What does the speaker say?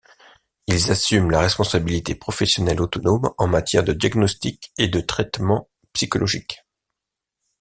Ils assument la responsabilité professionnelle autonome en matière de diagnostic et de traitement psychologiques.